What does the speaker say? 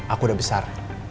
aku udah besar